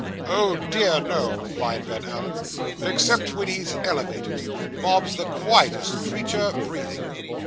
'Oh dear, no,' replied Ben Allen. 'Except when he's elevated, Bob's the quietest creature breathing.